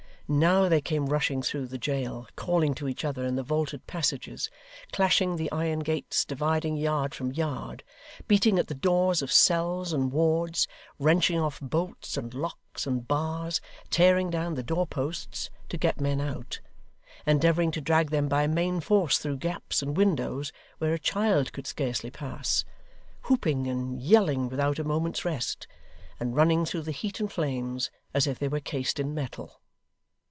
Now they came rushing through the jail, calling to each other in the vaulted passages; clashing the iron gates dividing yard from yard; beating at the doors of cells and wards; wrenching off bolts and locks and bars; tearing down the door posts to get men out; endeavouring to drag them by main force through gaps and windows where a child could scarcely pass; whooping and yelling without a moment's rest; and running through the heat and flames as if they were cased in metal.